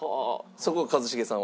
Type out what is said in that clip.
そこは一茂さんは？